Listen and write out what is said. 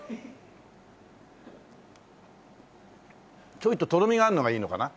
ちょいととろみがあるのがいいのかな？